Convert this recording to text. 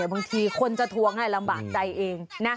บางทีคนจะทวงลำบากใจเอง